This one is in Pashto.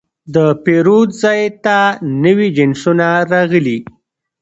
د پیرود ځای ته نوي جنسونه راغلي.